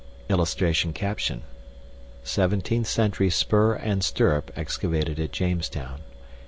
[Illustration: SEVENTEENTH CENTURY SPUR AND STIRRUP EXCAVATED AT JAMESTOWN.